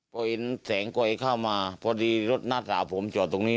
พอเห็นแสงกอยเข้ามาพอดีรถหน้าสาวผมจอดตรงนี้